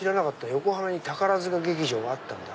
横浜に宝塚劇場があったんだ。